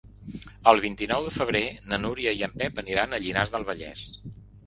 El vint-i-nou de febrer na Núria i en Pep aniran a Llinars del Vallès.